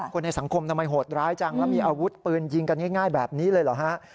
คนในสังคมทำไมโหดร้ายจังแล้วมีอาวุธปืนยิงกันง่ายแบบนี้เลยเหรอฮะ